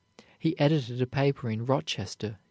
He edited a paper in Rochester, N.